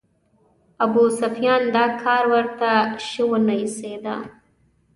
ابوسفیان دا کار ورته شه ونه ایسېده.